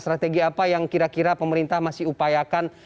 strategi apa yang kira kira pemerintah masih upayakan